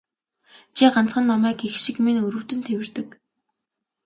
Чи ганцхан намайг эх шиг минь өрөвдөн тэвэрдэг.